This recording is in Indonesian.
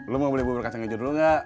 lu mau beli bubur kacang keju dulu gak